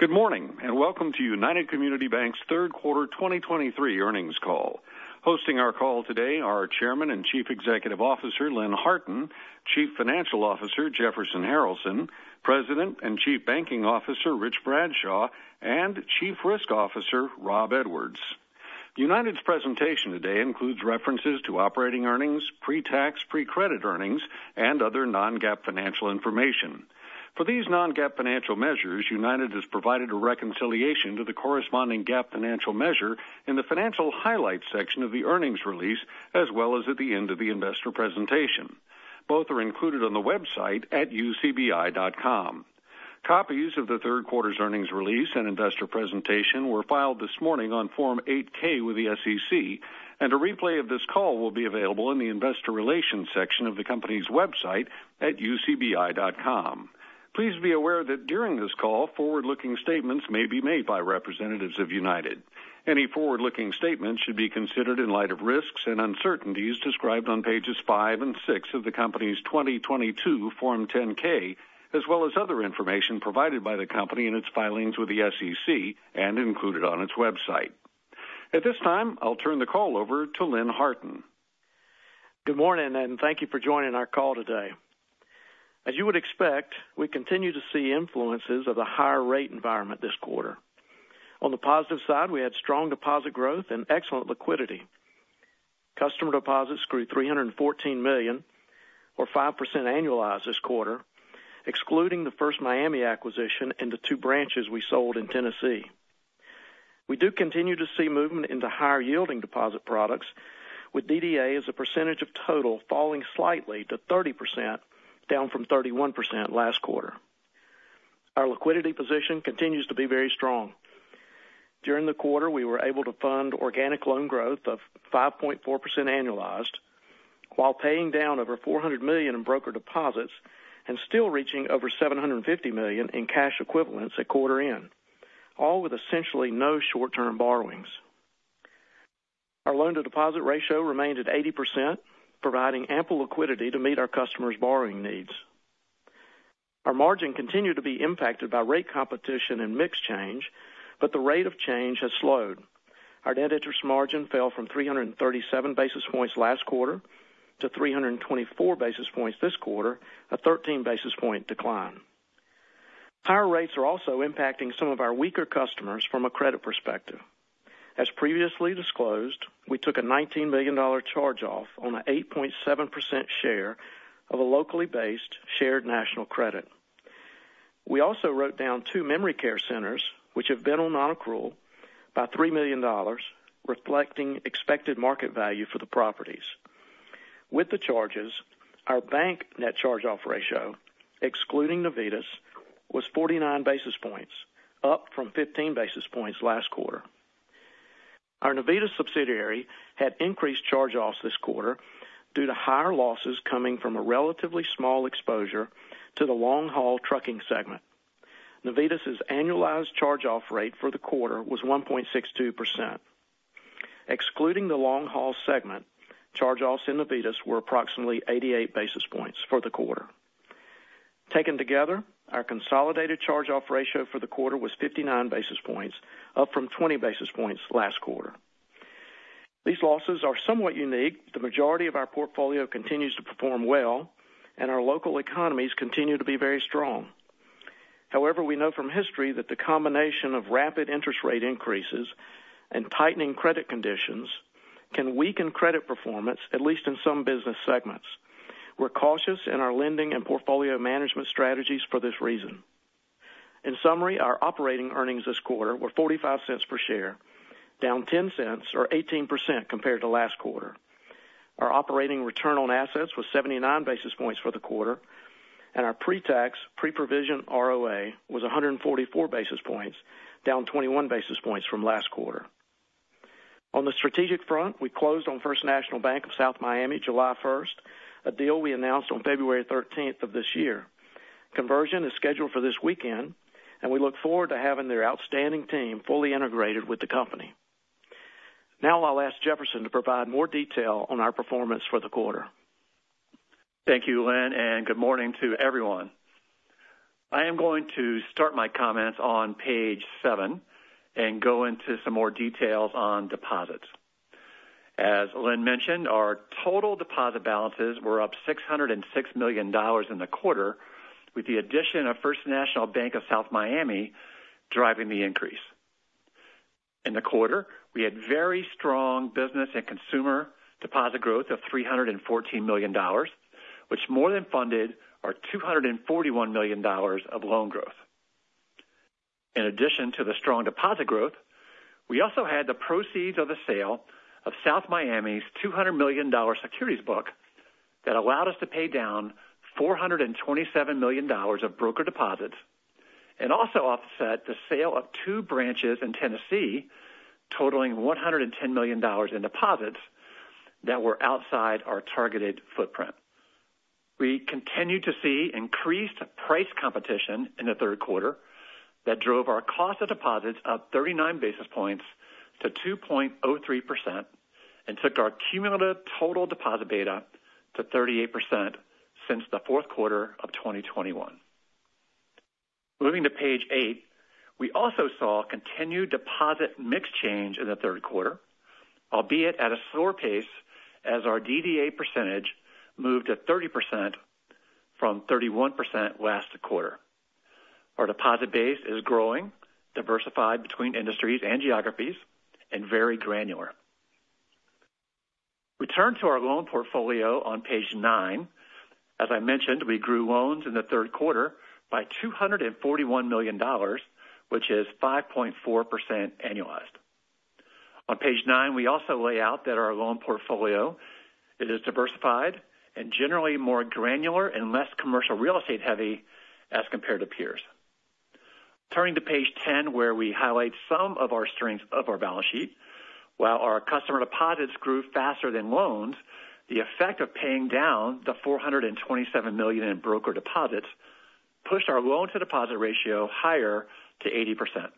Good morning, and welcome to United Community Bank's third quarter 2023 earnings call. Hosting our call today are our Chairman and Chief Executive Officer, Lynn Harton, Chief Financial Officer, Jefferson Harralson, President and Chief Banking Officer, Rich Bradshaw, and Chief Risk Officer, Rob Edwards. United's presentation today includes references to operating earnings, pre-tax, pre-credit earnings, and other Non-GAAP Financial Information. For these Non-GAAP financial measures, United has provided a reconciliation to the corresponding GAAP financial measure in the financial highlights section of the earnings release, as well as at the end of the Investor presentation. Both are included on the website at ucbi.com. Copies of the third quarter's earnings release and investor presentation were filed this morning on Form 8-K with the SEC, and a replay of this call will be available in the Investor Relations section of the company's website at ucbi.com. Please be aware that during this call, forward-looking statements may be made by representatives of United. Any forward-looking statements should be considered in light of risks and uncertainties described on pages five and six of the company's 2022 Form 10-K, as well as other information provided by the company in its filings with the SEC and included on its website. At this time, I'll turn the call over to Lynn Harton. Good morning, and thank you for joining our call today. As you would expect, we continue to see influences of the higher rate environment this quarter. On the positive side, we had strong deposit growth and excellent liquidity. Customer deposits grew $314 million, or 5% annualized this quarter, excluding the First Miami acquisition and the two branches we sold in Tennessee. We do continue to see movement into higher-yielding deposit products, with DDA as a percentage of total falling slightly to 30%, down from 31% last quarter. Our liquidity position continues to be very strong. During the quarter, we were able to fund organic loan growth of 5.4% annualized while paying down over $400 million in broker deposits and still reaching over $750 million in cash equivalents at quarter end, all with essentially no short-term borrowings. Our loan-to-deposit ratio remained at 80%, providing ample liquidity to meet our customers' borrowing needs. Our margin continued to be impacted by rate competition and mix change, but the rate of change has slowed. Our net interest margin fell from 337 basis points last quarter to 324 basis points this quarter, a 13 basis point decline. Higher rates are also impacting some of our weaker customers from a credit perspective. As previously disclosed, we took a $19 million charge-off on an 8.7% share of a locally based shared National Credit. We also wrote down two Memory Care Centers, which have been on nonaccrual, by $3 million, reflecting expected market value for the properties. With the charges, our bank net charge-off ratio, excluding Navitas, was 49 basis points, up from 15 basis points last quarter. Our Navitas subsidiary had increased charge-offs this quarter due to higher losses coming from a relatively small exposure to the long-haul trucking segment. Navitas' annualized charge-off rate for the quarter was 1.62%. Excluding the long-haul segment, charge-offs in Navitas were approximately 88 basis points for the quarter. Taken together, our consolidated charge-off ratio for the quarter was 59 basis points, up from 20 basis points last quarter. These losses are somewhat unique. The majority of our portfolio continues to perform well, and our local economies continue to be very strong. However, we know from history that the combination of rapid interest rate increases and tightening credit conditions can weaken credit performance, at least in some business segments. We're cautious in our lending and portfolio management strategies for this reason. In summary, our Operating Earnings this quarter were $0.45 per share, down $0.10 or 18% compared to last quarter. Our operating return on assets was 79 basis points for the quarter, and our pre-tax, pre-provision ROA was 144 basis points, down 21 basis points from last quarter. On the strategic front, we closed on First National Bank of South Miami, July first, a deal we announced on February thirteenth of this year. Conversion is scheduled for this weekend, and we look forward to having their outstanding team fully integrated with the company. Now I'll ask Jefferson to provide more detail on our performance for the quarter. Thank you, Lynn, and good morning to everyone. I am going to start my comments on page seven and go into some more details on deposits. As Lynn mentioned, our total deposit balances were up $606 million in the quarter, with the addition of First National Bank of South Miami driving the increase. In the quarter, we had very strong business and consumer deposit growth of $314 million, which more than funded our $241 million of loan growth. In addition to the strong deposit growth, we also had the proceeds of the sale of South Miami's $200 million securities book that allowed us to pay down $427 million of broker deposits and also offset the sale of two branches in Tennessee, totaling $110 million in deposits that were outside our targeted footprint. We continued to see increased price competition in the third quarter that drove our cost of deposits up 39 basis points to 2.03%, and took our cumulative total deposit beta to 38% since the fourth quarter of 2021. Moving to page eight, we also saw continued deposit mix change in the third quarter, albeit at a slower pace as our DDA percentage moved to 30% from 31% last quarter. Our deposit base is growing, diversified between industries and geographies, and very granular. We turn to our loan portfolio on page nine. As I mentioned, we grew loans in the third quarter by $241 million, which is 5.4% annualized. On page nine, we also lay out that our loan portfolio is diversified and generally more granular and less commercial real estate heavy as compared to peers. Turning to page 10, where we highlight some of our strengths of our balance sheet. While our customer deposits grew faster than loans, the effect of paying down the $427 million in broker deposits pushed our loan to deposit ratio higher to 80%.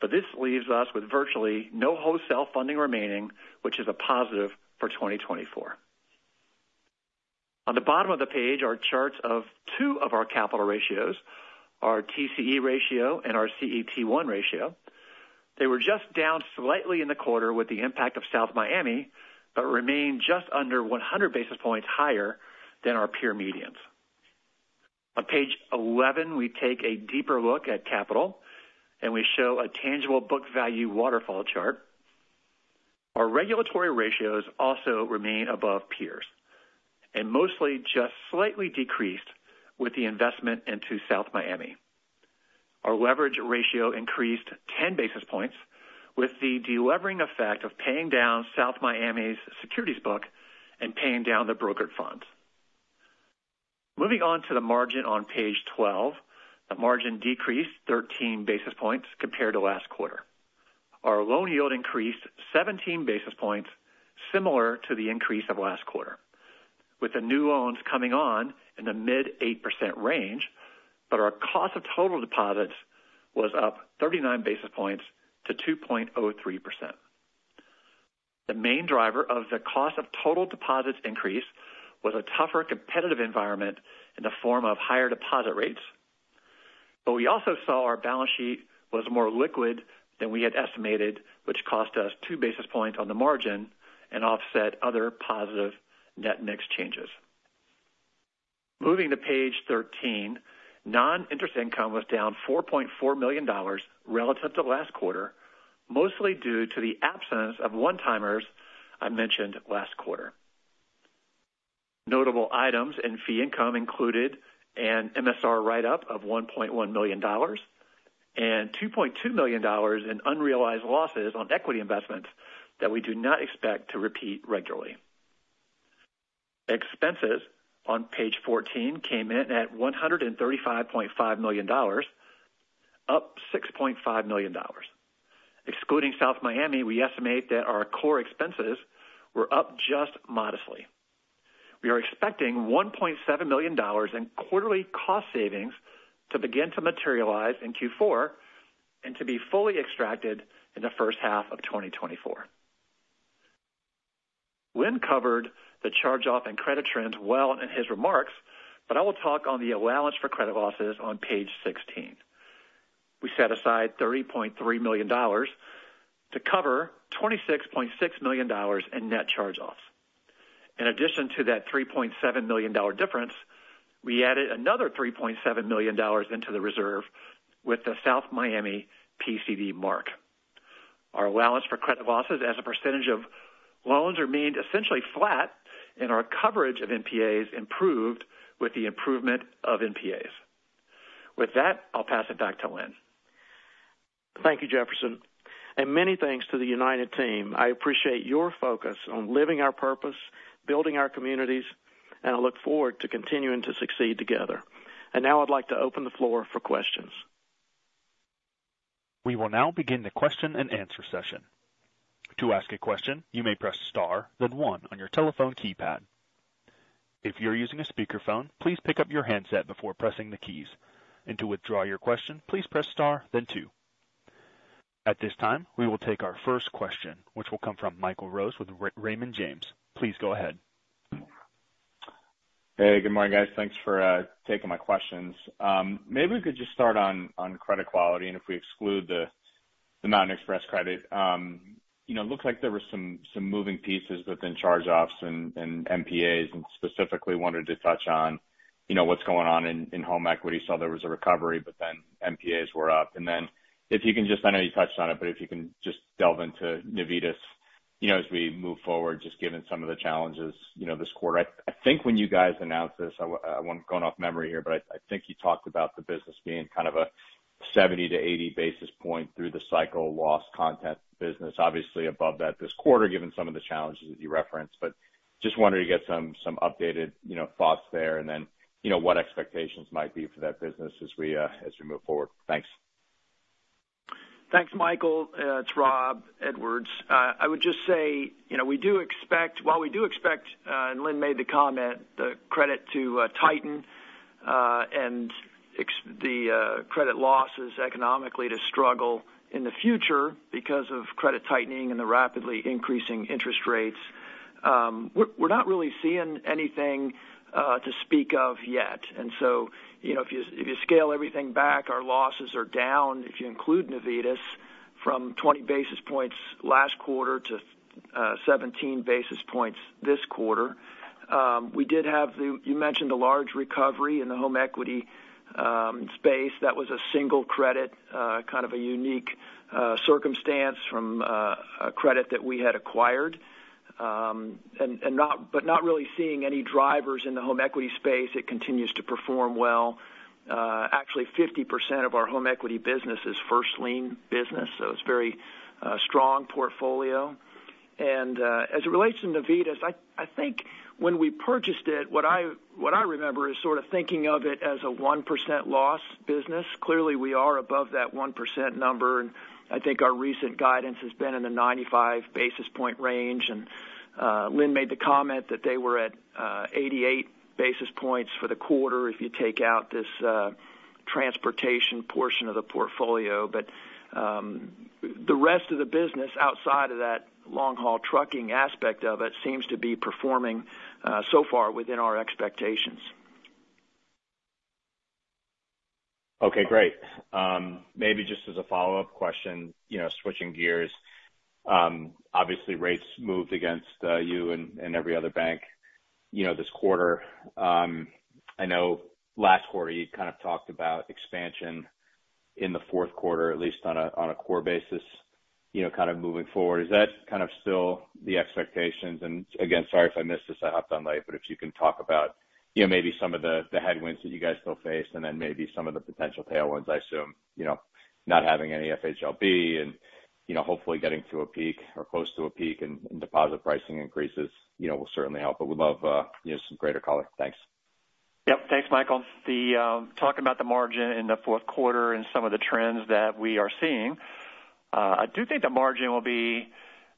But this leaves us with virtually no wholesale funding remaining, which is a positive for 2024. On the bottom of the page are charts of two of our capital ratios, our TCE ratio and our CET1 ratio. They were just down slightly in the quarter with the impact of South Miami, but remain just under 100 basis points higher than our peer medians. On page 11, we take a deeper look at capital, and we show a tangible book value waterfall chart. Our regulatory ratios also remain above peers and mostly just slightly decreased with the investment into South Miami. Our leverage ratio increased 10 basis points with the delevering effect of paying down South Miami's securities book and paying down the brokered funds. Moving on to the margin on page 12, the margin decreased 13 basis points compared to last quarter. Our loan yield increased 17 basis points, similar to the increase of last quarter, with the new loans coming on in the mid-8% range, but our cost of total deposits was up 39 basis points to 2.03%. The main driver of the cost of total deposits increase was a tougher competitive environment in the form of higher deposit rates. But we also saw our balance sheet was more liquid than we had estimated, which cost us 2 basis points on the margin and offset other positive net mix changes. Moving to page 13, non-interest income was down $4.4 million relative to last quarter, mostly due to the absence of one-timers I mentioned last quarter. Notable items in fee income included an MSR write-up of $1.1 million and $2.2 million in unrealized losses on equity investments that we do not expect to repeat regularly. Expenses on page 14 came in at $135.5 million, up $6.5 million. Excluding South Miami, we estimate that our core expenses were up just modestly. We are expecting $1.7 million in quarterly cost savings to begin to materialize in Q4 and to be fully extracted in the first half of 2024. Lynn covered the charge-off and credit trends well in his remarks, but I will talk on the allowance for credit losses on page 16. We set aside $30.3 million to cover $26.6 million in net charge-offs. In addition to that $3.7 million difference, we added another $3.7 million into the reserve with the South Miami PCD Mark. Our allowance for credit losses as a percentage of loans remained essentially flat, and our coverage of NPAs improved with the improvement of NPAs. With that, I'll pass it back to Lynn. Thank you, Jefferson, and many thanks to the United Team. I appreciate your focus on living our purpose, building our Communities, and I look forward to continuing to succeed together. And now I'd like to open the floor for questions. We will now begin the question-and-answer session. To ask a question, you may press star, then one on your telephone keypad. If you're using a speakerphone, please pick up your handset before pressing the keys. To withdraw your question, please press star then two. At this time, we will take our first question, which will come from Michael Rose with Raymond James. Please go ahead. Hey, good morning, guys. Thanks for taking my questions. Maybe we could just start on credit quality, and if we exclude the Mountain Express credit. You know, it looks like there were some moving pieces within charge-offs and NPAs, and specifically wanted to touch on, you know, what's going on in home equity. So there was a recovery, but then NPAs were up. And then if you can just, I know you touched on it, but if you can just delve into Navitas, you know, as we move forward, just given some of the challenges, you know, this quarter. I think when you guys announced this, going off memory here, but I think you talked about the business being kind of a 70 basis point-80 basis point through the cycle loss content business, obviously above that this quarter, given some of the challenges that you referenced. But just wanted to get some updated, you know, thoughts there and then, you know, what expectations might be for that business as we as we move forward. Thanks. Thanks, Michael. It's Rob Edwards. I would just say, you know, we do expect, while we do expect, and Lynn made the comment, the credit to tighten. And ex- the credit losses economically to struggle in the future because of credit tightening and the rapidly increasing interest rates. We're, we're not really seeing anything, you know, to speak of yet. You know, if you scale everything back, our losses are down, if you include Navitas, from 20 basis points last quarter to 17 basis points this quarter. We did have the-- you mentioned the large recovery in the home equity space. That was a single credit, kind of a unique circumstance from a credit that we had acquired. Not really seeing any drivers in the home equity space. It continues to perform well. Actually, 50% of our home equity business is first lien business, so it's very strong portfolio. As it relates to Navitas, I think when we purchased it, what I remember is sort of thinking of it as a 1% loss business. Clearly, we are above that 1% number, and I think our recent guidance has been in the 95 basis point range. Lynn made the comment that they were at 88 basis points for the quarter if you take out this transportation portion of the portfolio. But the rest of the business outside of that long-haul trucking aspect of it seems to be performing so far within our expectations. Okay, great. Maybe just as a follow-up question, you know, switching gears. Obviously, rates moved against, you and, and every other bank, you know, this quarter. I know last quarter you kind of talked about expansion in the fourth quarter, at least on a, on a core basis, you know, kind of moving forward. Is that kind of still the expectations? And again, sorry if I missed this, I hopped on late, but if you can talk about, you know, maybe some of the, the headwinds that you guys still face, and then maybe some of the potential tailwinds, I assume, you know, not having any FHLB and, you know, hopefully getting to a peak or close to a peak in, in deposit pricing increases, you know, will certainly help. But we'd love, you know, some greater color. Thanks. Yep. Thanks, Michael. Talking about the margin in the fourth quarter and some of the trends that we are seeing, I do think the margin will be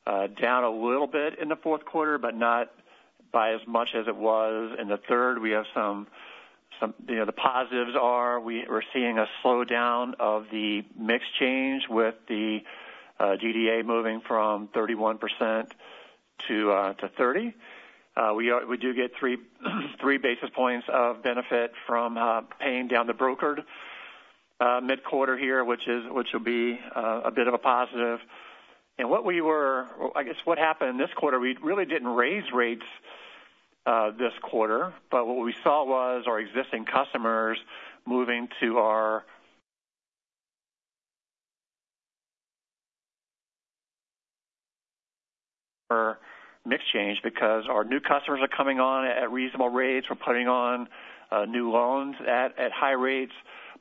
down a little bit in the fourth quarter, but not by as much as it was in the third. We have some. You know, the positives are, we're seeing a slowdown of the mix change with the DDA moving from 31% to 30%. We do get 3 basis points of benefit from paying down the brokered mid-quarter here, which will be a bit of a positive. What happened this quarter, we really didn't raise rates this quarter, but what we saw was our existing customers moving to our mix change because our new customers are coming on at reasonable rates. We're putting on new loans at high rates,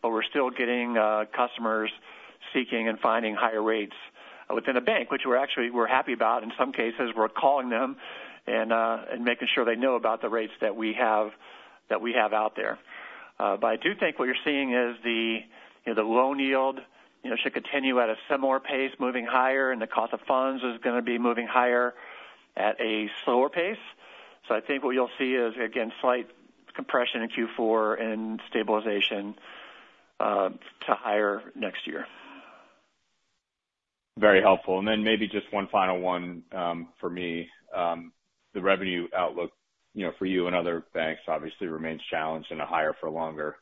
but we're still getting customers seeking and finding higher rates within the bank, which we're actually, we're happy about. In some cases, we're calling them and making sure they know about the rates that we have, that we have out there. But I do think what you're seeing is the, you know, the loan yield, you know, should continue at a similar pace, moving higher, and the cost of funds is gonna be moving higher at a slower pace. I think what you'll see is, again, slight compression in Q4 and stabilization to higher next year. Very helpful. And then maybe just one final one for me. The revenue outlook, you know, for you and other banks obviously remains challenged in a higher for longer,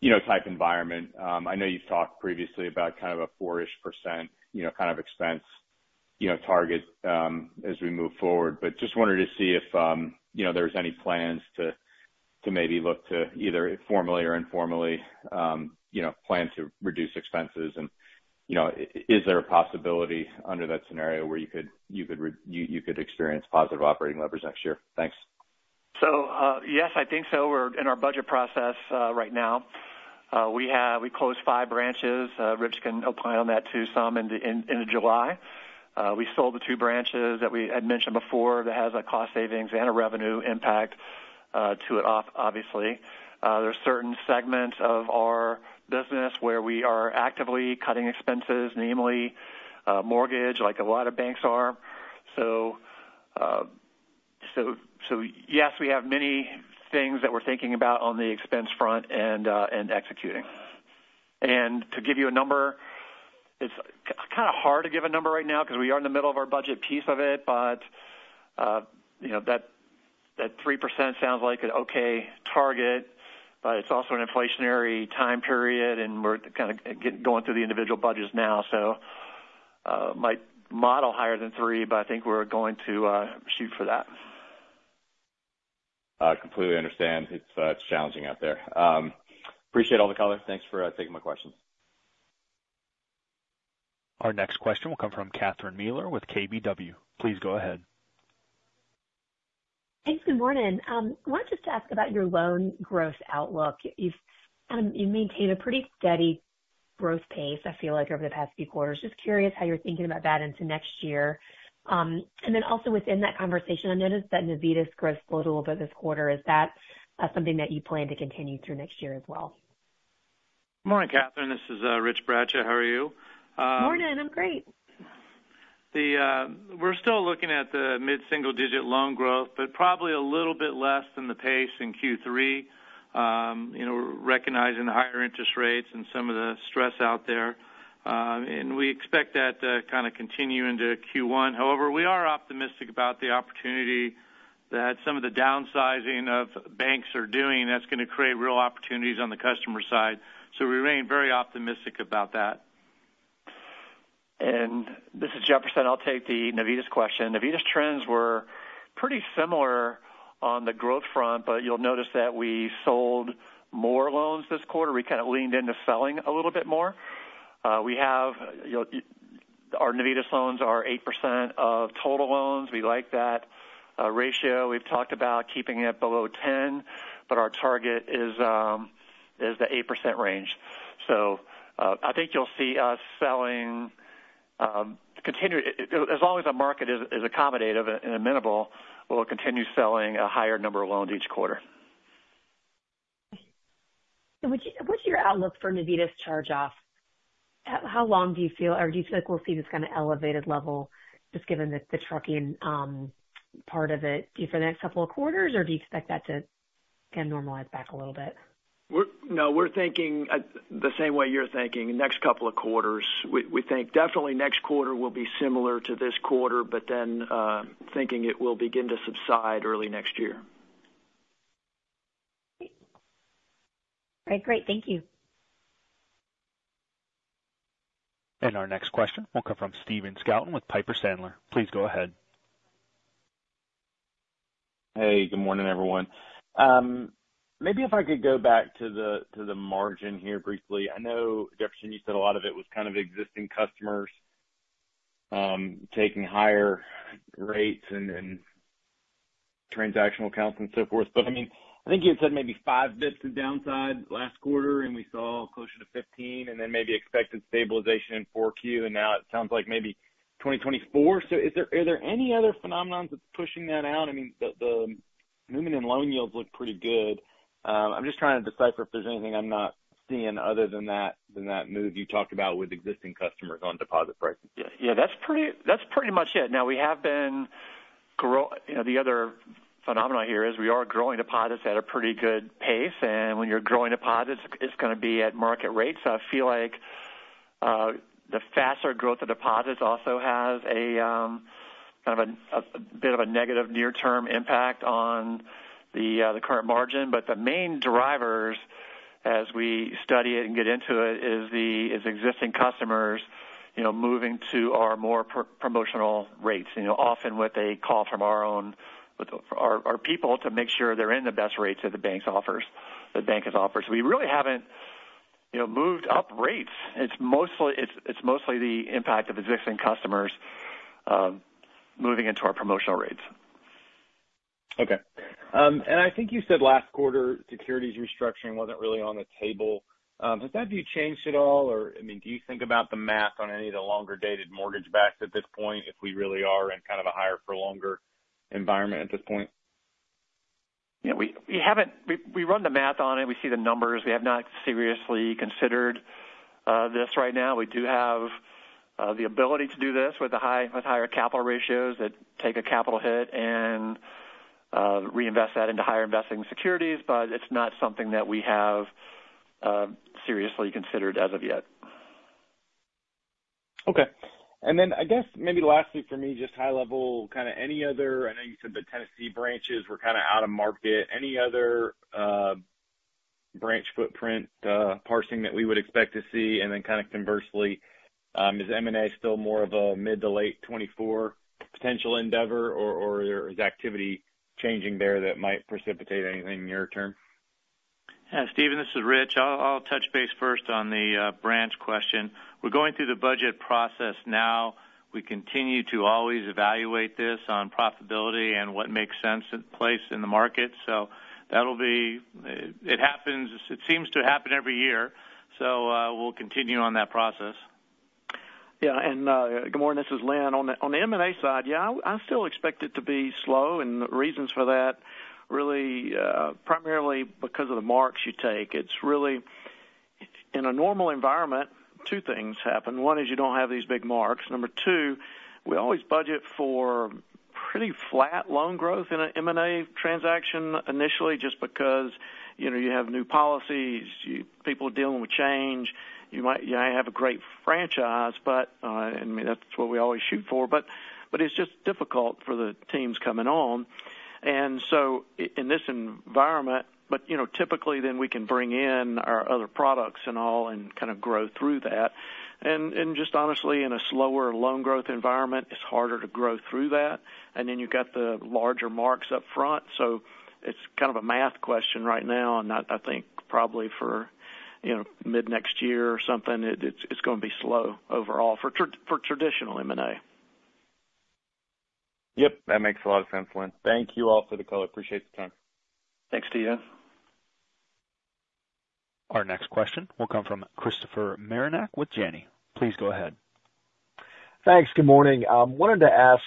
you know, type environment. I know you've talked previously about kind of a 4%-ish, you know, kind of expense, you know, target as we move forward. But just wanted to see if, you know, there's any plans to maybe look to either formally or informally, you know, plan to reduce expenses. And, you know, is there a possibility under that scenario where you could experience positive operating levers next year? Thanks. Yes, I think so. We're in our budget process right now. We have closed five branches. Rich can opine on that too, some in the end of July. We sold the two branches that we had mentioned before that has a cost savings and a revenue impact to it, obviously. There are certain segments of our business where we are actively cutting expenses, namely mortgage, like a lot of banks are. So yes, we have many things that we're thinking about on the expense front and executing. To give you a number, it's kind of hard to give a number right now because we are in the middle of our budget piece of it, but you know, that 3% sounds like an okay target, but it's also an Inflationary time period, and we're kind of going through the individual budgets now. So, might model higher than three, but I think we're going to shoot for that. I completely understand. It's, it's challenging out there. Appreciate all the color. Thanks for taking my questions. Our next question will come from Catherine Mealor with KBW. Please go ahead. Thanks. Good morning. Wanted just to ask about your loan growth outlook. You've, you've maintained a pretty steady growth pace, I feel like, over the past few quarters. Just curious how you're thinking about that into next year? And then also within that conversation, I noticed that Navitas growth slowed a little bit this quarter. Is that, something that you plan to continue through next year as well? Morning, Catherine, this is Rich Bradshaw. How are you? Morning. I'm great. We're still looking at the mid-single-digit loan growth, but probably a little bit less than the pace in Q3. You know, we're recognizing the higher interest rates and some of the stress out there, and we expect that to kind of continue into Q1. However, we are optimistic about the opportunity that some of the downsizing of banks are doing, that's going to create real opportunities on the customer side. So we remain very optimistic about that. This is Jefferson. I'll take the Navitas question. Navitas trends were pretty similar on the growth front, but you'll notice that we sold more loans this quarter. We kind of leaned into selling a little bit more. We have, you know, our Navitas loans are 8% of total loans. We like that ratio. We've talked about keeping it below 10, but our target is the 8% range. So, I think you'll see us selling as long as the market is accommodative and amenable, we'll continue selling a higher number of loans each quarter. What's your outlook for Navitas charge-off? How long do you feel, or do you feel like we'll see this kind of elevated level, just given the trucking part of it, for the next couple of quarters, or do you expect that to kind of normalize back a little bit? We're no, we're thinking the same way you're thinking, next couple of quarters. We, we think definitely next quarter will be similar to this quarter, but then, thinking it will begin to subside early next year. Great. Great. Thank you. Our next question will come from Stephen Scouten with Piper Sandler. Please go ahead. Hey, good morning, everyone. Maybe if I could go back to the margin here briefly. I know, Jefferson, you said a lot of it was kind of existing customers taking higher rates and transactional accounts and so forth. But, I mean, I think you had said maybe five bits of downside last quarter, and we saw closer to 15, and then maybe expected stabilization in 4Q, and now it sounds like maybe 2024. So are there any other Phenomena that's pushing that out? I mean, the movement in loan yields look pretty good. I'm just trying to decipher if there's anything I'm not seeing other than that move you talked about with existing customers on deposit pricing. Yeah, that's pretty, that's pretty much it. Now, we have been growing, you know, the other phenomenon here is we are growing deposits at a pretty good pace, and when you're growing deposits, it's going to be at market rates. So I feel like, the faster growth of deposits also has a kind of a bit of a negative near-term impact on the current margin. But the main drivers, as we study it and get into it, is existing customers, you know, moving to our more promotional rates. You know, often what they call from our own people to make sure they're in the best rates that the bank offers, the bank has offered. So we really haven't, you know, moved up rates. It's mostly the impact of existing customers moving into our promotional rates. Okay. And I think you said last quarter, securities restructuring wasn't really on the table. Has that view changed at all? Or, I mean, do you think about the math on any of the longer-dated mortgage backs at this point, if we really are in kind of a higher for longer environment at this point? Yeah, we haven't run the math on it. We see the numbers. We have not seriously considered this right now. We do have the ability to do this with higher capital ratios that take a capital hit and reinvest that into higher investing securities, but it's not something that we have seriously considered as of yet. Okay. And then I guess maybe lastly for me, just high level, kind of any other... I know you said the Tennessee branches were kind of out of market. Any other, branch footprint, parsing that we would expect to see? And then kind of conversely, is M&A still more of a mid- to late 2024 potential endeavor, or, or is activity changing there that might precipitate anything near term? Yeah, Stephen, this is Rich. I'll touch base first on the branch question. We're going through the budget process now. We continue to always evaluate this on profitability and what makes sense in place in the market. So that'll be. It happens, it seems to happen every year, so we'll continue on that process. Yeah, and good morning, this is Lynn. On the M&A side, yeah, I still expect it to be slow, and the reasons for that really primarily because of the marks you take. It's really in a normal environment, two things happen. One is you don't have these big marks. Number two, we always budget for pretty flat loan growth in an M&A transaction initially, just because, you know, you have new policies, people are dealing with change. You might, you know, have a great franchise, but I mean, that's what we always shoot for, but it's just difficult for the teams coming on. And so in this environment, but you know, typically then we can bring in our other products and all and kind of grow through that. Just honestly, in a slower loan growth environment, it's harder to grow through that. And then you've got the larger marks up front. So it's kind of a math question right now, and I think probably for, you know, mid-next year or something, it's going to be slow overall for traditional M&A. Yep, that makes a lot of sense, Lynn. Thank you all for the call. I appreciate the time. Thanks to you. Our next question will come from Christopher Marinac with Janney. Please go ahead. Thanks. Good morning. Wanted to ask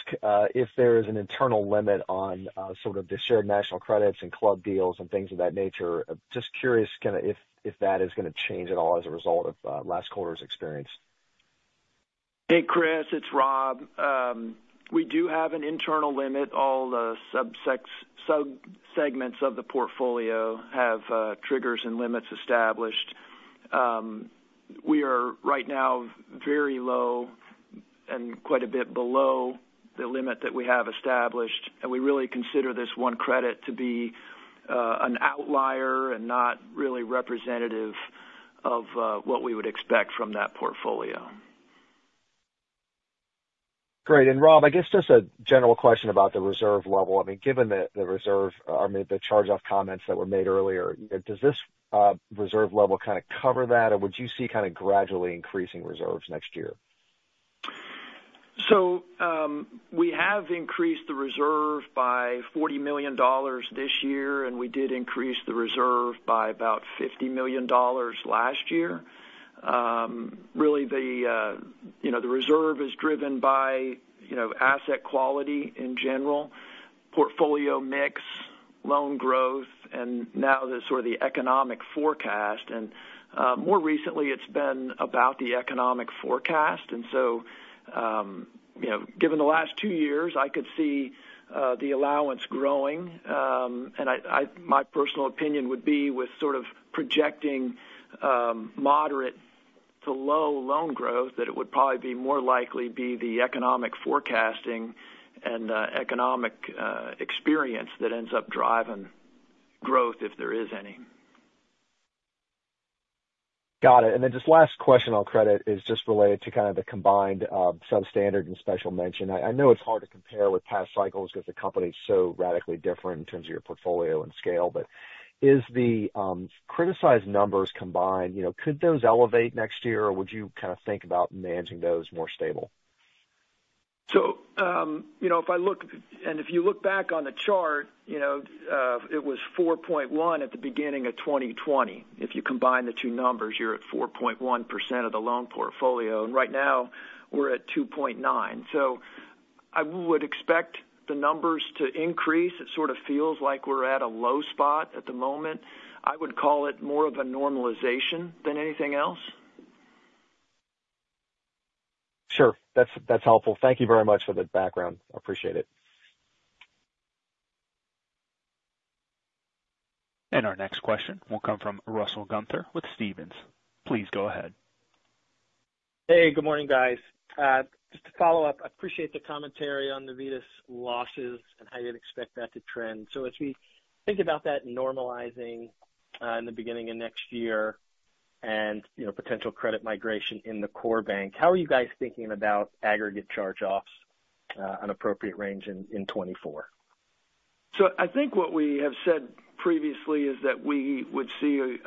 if there is an internal limit on sort of the Shared National Credits and Club Deals and things of that nature. Just curious kind of if that is going to change at all as a result of last quarter's experience? Hey, Chris, it's Rob. We do have an internal limit. All the Subsegments of the portfolio have triggers and limits established. We are right now very low and quite a bit below the limit that we have established, and we really consider this one credit to be an outlier and not really representative of what we would expect from that portfolio. Great. And Rob, I guess just a general question about the reserve level. I mean, given that the reserve, or the charge-off comments that were made earlier, does this reserve level kind of cover that, or would you see kind of gradually increasing reserves next year? So, we have increased the reserve by $40 million this year, and we did increase the reserve by about $50 million last year. Really, you know, the reserve is driven by, you know, asset quality in general, portfolio mix, loan growth, and now sort of the economic forecast. And, more recently, it's been about the economic forecast. And so, you know, given the last two years, I could see, the allowance growing. And, my personal opinion would be with sort of projecting, moderate to low loan growth, that it would probably be more likely be the economic forecasting and, economic, experience that ends up driving growth if there is any. Got it. And then just last question on credit is just related to kind of the combined, substandard and special mention. I, I know it's hard to compare with past cycles because the company is so radically different in terms of your portfolio and scale, but is the criticized numbers combined, you know, could those elevate next year, or would you kind of think about managing those more stable? You know, if I look, If you look back on the chart, you know, it was 4.1 at the beginning of 2020. If you combine the two numbers, you're at 4.1% of the loan portfolio, and right now we're at 2.9%. I would expect the numbers to increase. It sort of feels like we're at a low spot at the moment. I would call it more of a normalization than anything else. Sure. That's helpful. Thank you very much for the background. I appreciate it. Our next question will come from Russell Gunther with Stephens. Please go ahead. Hey, good morning, guys. Just to follow up, I appreciate the commentary on Navitas losses and how you'd expect that to trend. So as we think about that normalizing in the beginning of next year and, you know, potential credit migration in the core bank, how are you guys thinking about aggregate charge-offs, an appropriate range in 2024? So I think what we have said previously is that we would see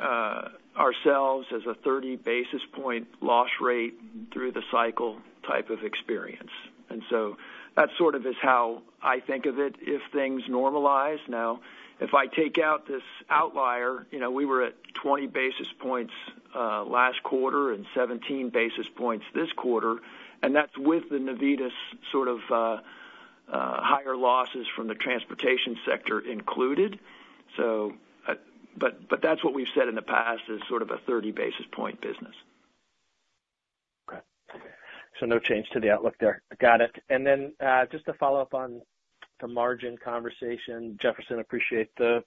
ourselves as a 30 basis point loss rate through the cycle type of experience. And so that sort of is how I think of it if things normalize. Now, if I take out this outlier, you know, we were at 20 basis points last quarter and 17 basis points this quarter, and that's with the Navitas sort of higher losses from the transportation sector included. So, but that's what we've said in the past, is sort of a 30 basis point business. Okay. So no change to the outlook there. Got it. And then, just to follow up on the margin conversation, Jefferson, appreciate the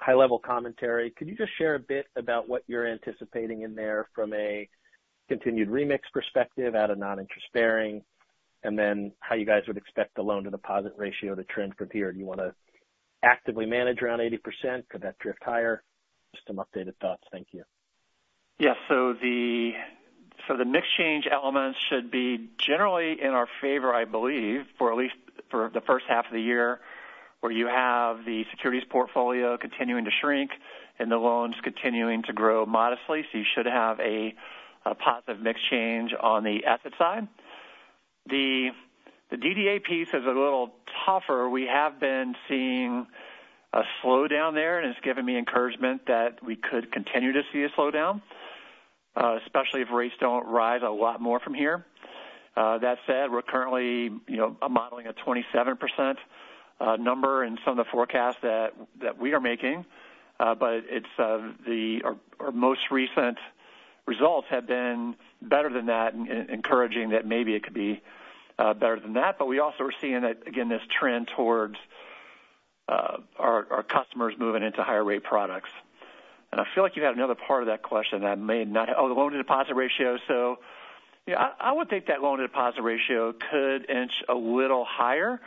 high-level commentary. Could you just share a bit about what you're anticipating in there from a continued remix perspective at a non-interest bearing, and then how you guys would expect the loan to deposit ratio to trend from here? Do you want to actively manage around 80%? Could that drift higher? Just some updated thoughts. Thank you. Yeah. So the mix change elements should be generally in our favor, I believe, for at least the first half of the year, where you have the Securities Portfolio continuing to shrink and the loans continuing to grow modestly. So you should have a positive mix change on the asset side. The DDA piece is a little tougher. We have been seeing a slowdown there, and it's given me encouragement that we could continue to see a slowdown, especially if rates don't rise a lot more from here. That said, we're currently, you know, modeling a 27% number in some of the forecasts that we are making, but it's our most recent results have been better than that and encouraging that maybe it could be better than that. But we also are seeing, again, this trend towards our customers moving into higher rate products. And I feel like you had another part of that question I may not, Oh, the loan to deposit ratio. So yeah, I would think that loan to deposit ratio could inch a little higher.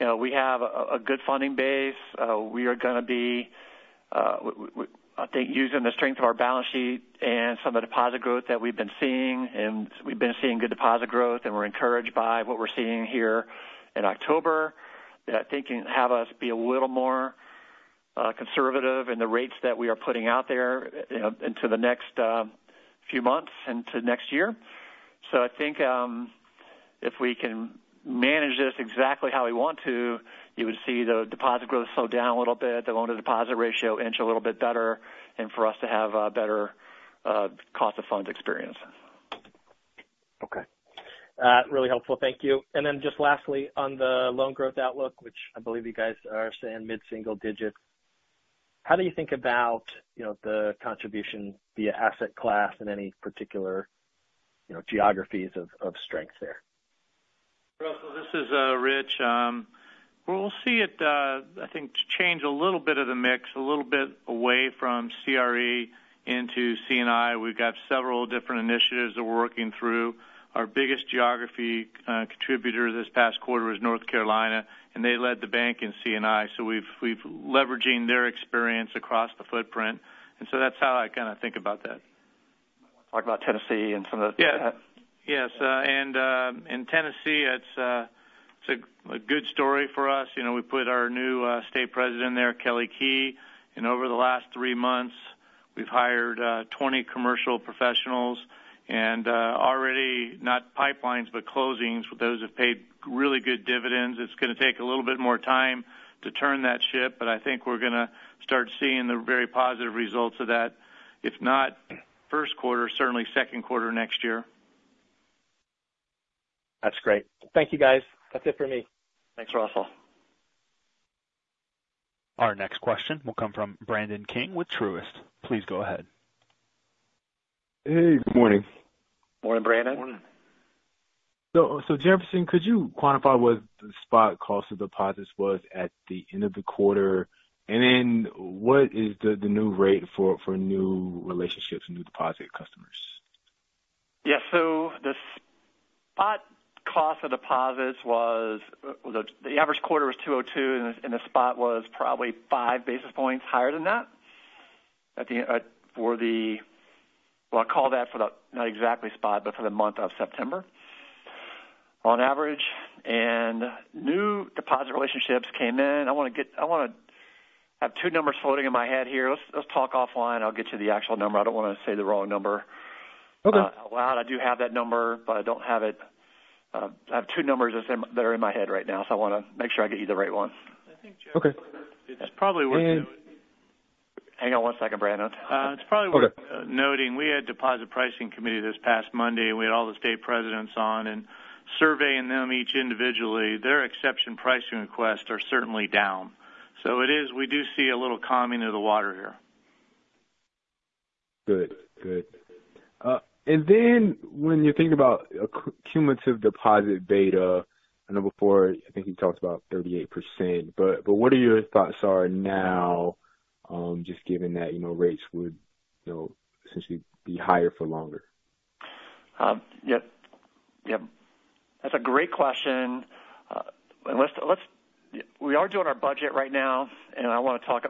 You know, we have a good funding base. We are gonna be I think using the strength of our balance sheet and some of the deposit growth that we've been seeing, and we've been seeing good deposit growth, and we're encouraged by what we're seeing here in October, that I think can have us be a little more conservative in the rates that we are putting out there, you know, into the next few months into next year. I think, if we can manage this exactly how we want to, you would see the deposit growth slow down a little bit, the loan to deposit ratio inch a little bit better, and for us to have a better, cost of funds experience. Okay. Really helpful. Thank you. And then just lastly, on the loan growth outlook, which I believe you guys are saying mid-single digit. How do you think about, you know, the contribution via asset class in any particular, you know, geographies of strength there? Russell, this is Rich. Well, we'll see it, I think, change a little bit of the mix, a little bit away from CRE into C&I. We've got several different initiatives that we're working through. Our biggest Geography contributor this past quarter is North Carolina, and they led the bank in C&I, so we've leveraging their experience across the footprint, and so that's how I kind of think about that. Talk about Tennessee and some of the- Yeah. Yes, and in Tennessee, it's a good story for us. You know, we put our new state president there, Kelley Key, and over the last three months, we've hired 20 Commercial Professionals. And already, not pipelines, but closings, those have paid really good dividends. It's going to take a little bit more time to turn that ship, but I think we're going to start seeing the very positive results of that, if not first quarter, certainly second quarter next year. That's great. Thank you, guys. That's it for me. Thanks, Russell. Our next question will come from Brandon King with Truist. Please go ahead. Hey, good morning. Morning, Brandon. Morning. So, Jefferson, could you quantify what the spot cost of deposits was at the end of the quarter? And then what is the new rate for new relationships, new deposit customers? Yeah, so the spot cost of deposits was. The average quarter was 202, and the spot was probably five basis points higher than that at the for the, Well, I'll call that for the, not exactly spot, but for the month of September on average. And new deposit relationships came in. I want to get—I want to—I have two numbers floating in my head here. Let's talk offline. I'll get you the actual number. I don't want to say the wrong number- Okay. I do have that number, but I don't have it. I have two numbers that's in, that are in my head right now, so I want to make sure I get you the right one. Okay. It's probably worth noting- Hang on one second, Brandon. Okay. It's probably worth noting we had deposit pricing committee this past Monday, and we had all the state presidents on. Surveying them each individually, their exception pricing requests are certainly down. It is, we do see a little calming of the water here. Good. Good. And then when you think about a cumulative deposit beta, I know before, I think you talked about 38%, but what are your thoughts are now, just given that, you know, rates would, you know, essentially be higher for longer? Yep. Yep. That's a great question. Let's, let's, we are doing our budget right now, and I want to talk...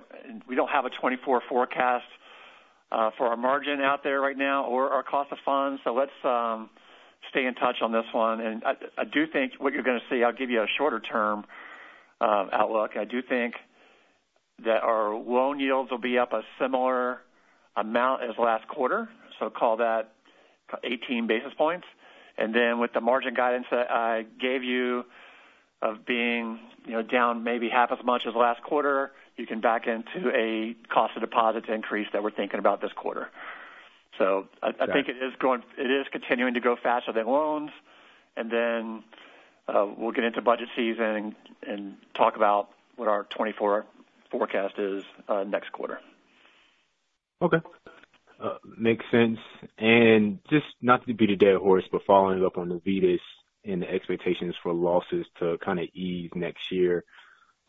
We don't have a 24 forecast for our margin out there right now or our cost of funds, so let's stay in touch on this one. And I do think what you're going to see, I'll give you a shorter term outlook. I do think that our Loan Yields will be up a similar amount as last quarter, so call that 18 basis points. And then with the margin guidance that I gave you of being, you know, down maybe half as much as last quarter, you can back into a cost of deposits increase that we're thinking about this quarter. Got it. So I, I think it is going, it is continuing to grow faster than loans, and then, we'll get into budget season and, and talk about what our 2024 forecast is, next quarter. Okay. Makes sense. And just not to beat a dead horse, but following up on Navitas and the expectations for losses to kind of ease next year,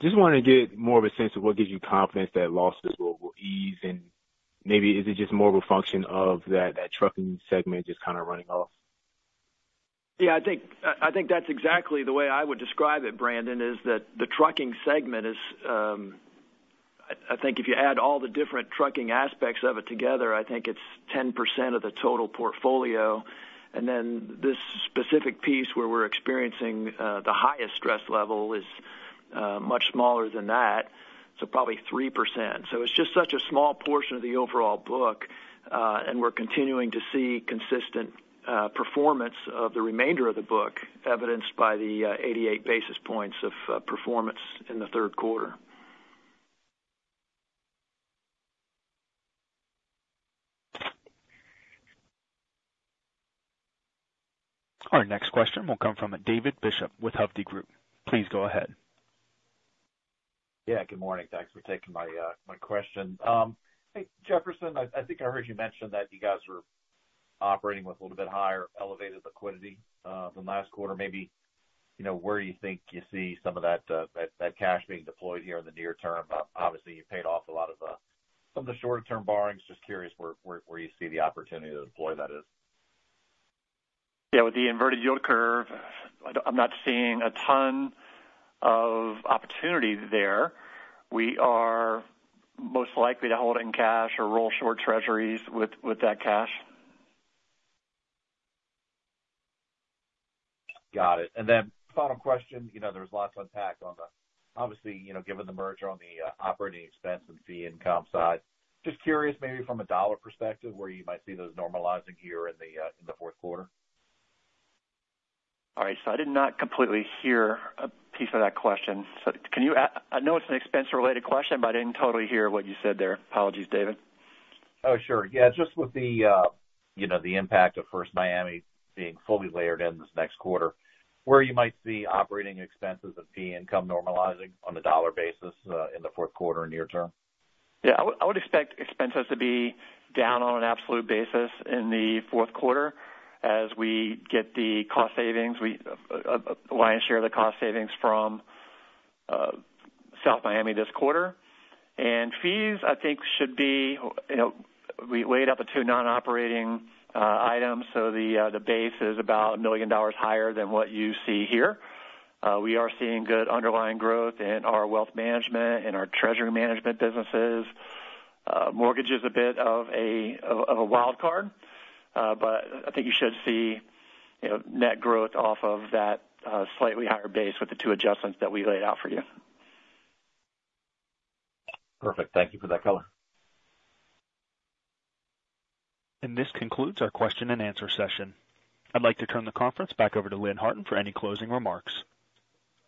just want to get more of a sense of what gives you confidence that losses will, will ease. And maybe is it just more of a function of that, that trucking segment just kind of running off? Yeah, I think that's exactly the way I would describe it, Brandon, is that the trucking segment is. I think if you add all the different trucking aspects of it together, I think it's 10% of the total portfolio. And then this specific piece where we're experiencing the highest stress level is much smaller than that, so probably 3%. So it's just such a small portion of the overall book, and we're continuing to see consistent performance of the remainder of the book, evidenced by the 88 basis points of performance in the third quarter. Our next question will come from David Bishop with Hovde Group. Please go ahead. Yeah, good morning. Thanks for taking my question. Hey, Jefferson, I think I heard you mention that you guys were operating with a little bit higher elevated liquidity than last quarter. Maybe, you know, where you think you see some of that cash being deployed here in the near term? Obviously, you paid off a lot of some of the shorter term borrowings. Just curious where you see the opportunity to deploy that is. Yeah, with the inverted yield curve, I don't, I'm not seeing a ton of opportunity there. We are most likely to hold it in cash or roll short Treasuries with that cash. Got it. And then final question. You know, there's lots to unpack on the, Obviously, you know, given the merger on the operating expense and fee income side, just curious, maybe from a dollar perspective, where you might see those normalizing here in the fourth quarter? All right, so I did not completely hear a piece of that question. So can you, I know it's an expense-related question, but I didn't totally hear what you said there. Apologies, David. Oh, sure. Yeah, just with the, you know, the impact of First Miami being fully layered in this next quarter, where you might see operating expenses and fee income normalizing on a Dollar basis, in the fourth quarter and near term? Yeah, I would expect expenses to be down on an absolute basis in the fourth quarter as we get the cost savings. We want to share the cost savings from South Miami this quarter. And fees, I think, should be, you know, we weighed up the two non-operating items, so the base is about $1 million higher than what you see here. We are seeing good underlying growth in our wealth management, in our treasury management businesses. Mortgage is a bit of a wild card, but I think you should see, you know, net growth off of that slightly higher base with the two adjustments that we laid out for you. Perfect. Thank you for that color. This concludes our question-and-answer session. I'd like to turn the conference back over to Lynn Harton for any closing remarks.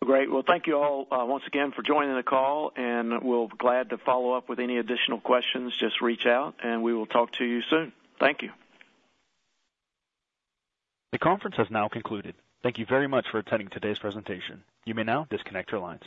Great. Well, thank you all, once again for joining the call, and we'll be glad to follow up with any additional questions. Just reach out, and we will talk to you soon. Thank you. The conference has now concluded. Thank you very much for attending today's presentation. You may now disconnect your lines.